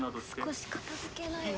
少し片づけなよ。